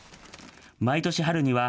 毎年春には、